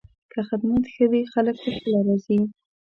که خدمت ښه وي، خلک پخپله راځي.